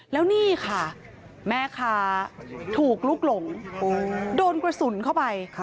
แล้วนี่ค่ะแม่ค้าถูกลุกหลงโดนกระสุนเข้าไป